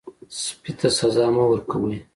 سپي ته سزا مه ورکوئ.